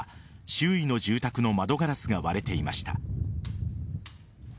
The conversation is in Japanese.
周囲の住宅の窓ガラスが割れていました。